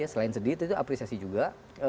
selain sedih itu juga mengapresiasi juga